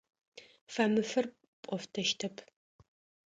Фэмыфыр пӏофтэщтэп.